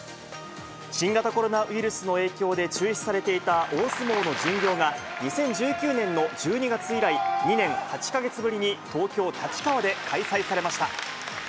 新型コロナウイルスの影響で中止されていた大相撲の巡業が、２０１９年の１２月以来、２年８か月ぶりに東京・立川で開催されました。